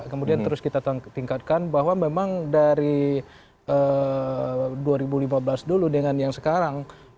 kemudian terus kita tingkatkan bahwa memang dari dua ribu lima belas dulu dengan yang sekarang